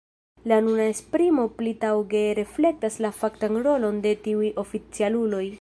La nuna esprimo pli taŭge reflektas la faktan rolon de tiuj oficialuloj.